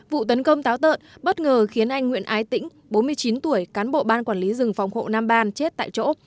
vụ tấn công táo tợn bất ngờ khiến anh nguyễn ái tĩnh bốn mươi chín tuổi cán bộ ban quản lý rừng phòng hộ nam ban chết tại chỗ